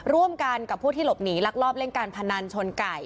ร่วมกันกับผู้ที่หลบหนีลักลอบเล่นการพนันชนไก่